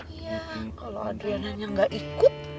iya kalau adriananya gak ikut